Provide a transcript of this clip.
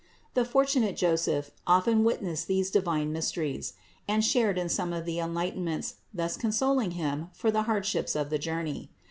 The fortunate Joseph often witnessed these divine mysteries; and shared in some of the enlighten ments, thus consoling himself for the hardships of the journey.